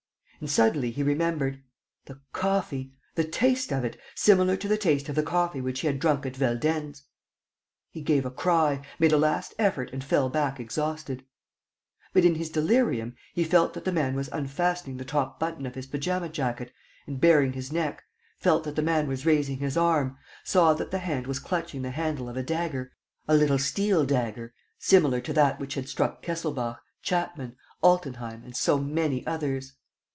And, suddenly, he remembered: the coffee! The taste of it ... similar to the taste of the coffee which he had drunk at Veldenz! He gave a cry, made a last effort and fell back exhausted. But, in his delirium, he felt that the man was unfastening the top button of his pajama jacket and baring his neck, felt that the man was raising his arm, saw that the hand was clutching the handle of a dagger, a little steel dagger similar to that which had struck Kesselbach, Chapman, Altenheim and so many others.